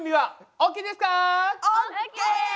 ＯＫ！